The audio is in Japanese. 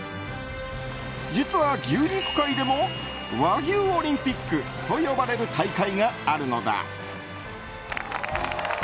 実は、牛肉界でも和牛オリンピックと呼ばれる大会があるのだ。